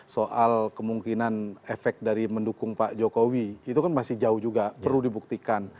soal kemungkinan efek dari mendukung pak jokowi itu kan masih jauh juga perlu dibuktikan